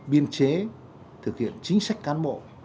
biên chế thực hiện chính sách cán bộ